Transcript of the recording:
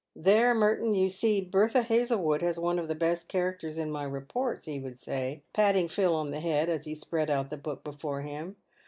" There, Merton, you see, Bertha Hazlewood has one of the best characters in my reports," he would say, patting Phil on the head, as he spread the book out before him.